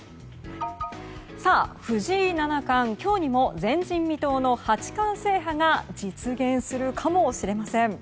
藤井七冠今日にも前人未到の八冠制覇が実現するかもしれません。